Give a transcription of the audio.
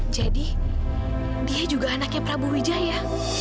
jadi dia juga anaknya prabu wijaya